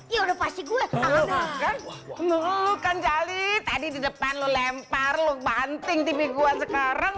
ya udah pasti gue akan melukan jali tadi di depan lu lempar lu banting tv gua sekarang